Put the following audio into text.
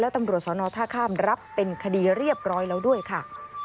ตำรวจสนท่าข้ามรับเป็นคดีเรียบร้อยแล้วด้วยค่ะ